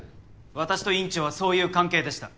私と院長はそういう関係でした。